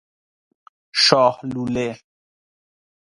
شاه لوله